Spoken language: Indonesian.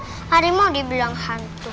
masa harimau dibilang hantu